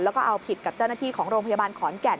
แล้วก็เอาผิดกับเจ้าหน้าที่ของโรงพยาบาลขอนแก่น